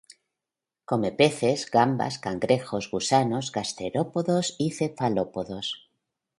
Come peces, gambas, cangrejos, gusanos, gasterópodos y cefalópodos.